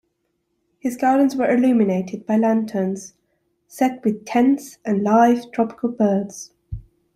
His gardens were illuminated by lanterns, set with tents, and live, tropical birds.